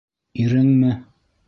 Иреңме?